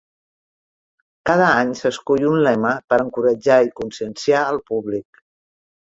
Cada any s'escull un lema per encoratjar i conscienciar al públic.